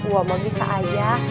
wah mau bisa aja